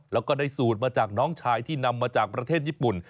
แล้วก็ได้สูตรมาจากน้องชายที่นำมาจากประเทศญี่ปุ่น